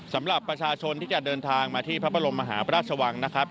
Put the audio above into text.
สำหรับประชาชนที่จะเดินทางมาที่พระบรมมหาพระราชวังนะครับ